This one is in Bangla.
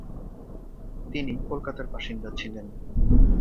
তিনি কলকাতার বাসিন্দা ছিলেন।